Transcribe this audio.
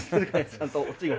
ちゃんとオチが。